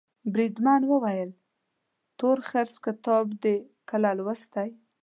بریدمن وویل تورخرس کتاب دي کله لوستی.